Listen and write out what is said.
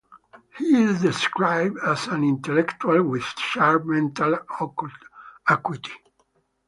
He is described as an intellectual with sharp mental acuity.